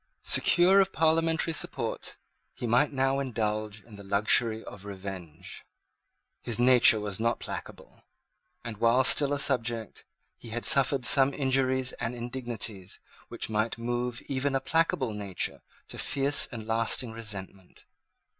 Secure of parliamentary support, he might now indulge in the luxury of revenge. His nature was not placable; and, while still a subject, he had suffered some injuries and indignities which might move even a placable nature to fierce and lasting resentment.